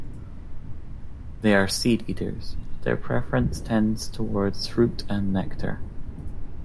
They are seed eaters, but their preference tends towards fruit and nectar.